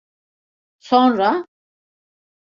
Sonra?